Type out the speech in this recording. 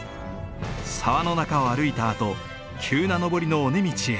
沢の中を歩いたあと急な登りの尾根道へ。